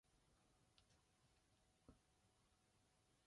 "Unreleased and Rare" is a compilation of unreleased and rare tracks.